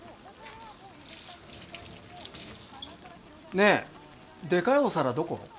ねえでかいお皿どこ？